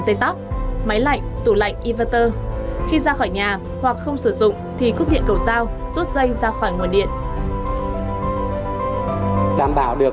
sơ khi ra khỏi nhà hoặc không sử dụng thì cúp điện cầu giao rút dây ra khỏi nguồn điện đảm bảo được